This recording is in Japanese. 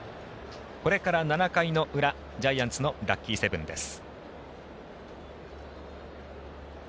これから７回の裏ジャイアンツのラッキーセブンです。